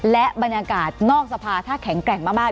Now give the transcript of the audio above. และบรรยากาศนอกสภาถ้าแข็งแกร่งมาก